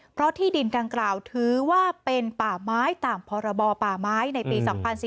เพราะที่ดินดังกล่าวถือว่าเป็นป่าไม้ตามพรบป่าไม้ในปี๒๔๔